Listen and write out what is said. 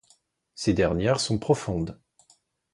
Ces dernières sont profondes.